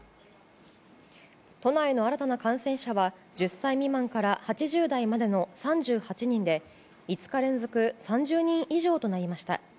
都内の新たな感染者は１０歳未満から８０代までの３８人で５日連続３０人以上となりました。